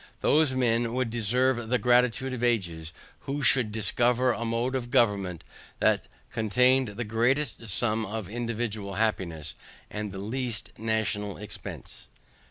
Those men would deserve the gratitude of ages, who should discover a mode of government that contained the greatest sum of individual happiness, with the least national expense."